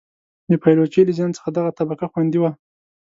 د پایلوچۍ له زیان څخه دغه طبقه خوندي وه.